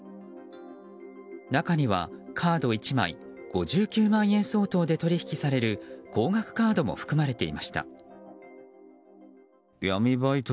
中にはカード１枚、５９万円相当で取引される高額カードも含まれていました。